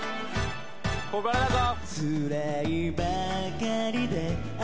ここからだぞ。